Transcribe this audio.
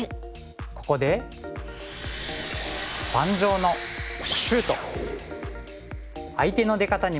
ここで盤上のシュート！